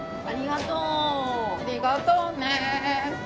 ありがとうね。